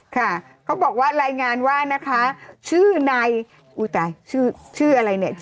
ค่ะเขาบอกว่ารายงานว่านะคะชื่อในอุ้ยตายชื่อชื่ออะไรเนี่ย